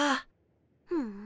ふん。